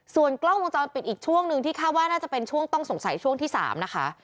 ส่วนกล้องวงจรปิดอีกช่วงหนึ่งที่คาดว่าน่าจะเป็นช่วงต้องสงสัยช่วงที่๓นะคะ